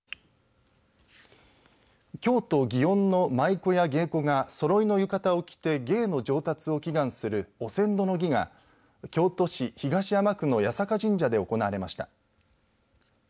京都祇園の舞妓や芸妓がそろいの浴衣を着て芸の上達を祈願するお千度の儀が京都市東山区の八坂神社で行われました。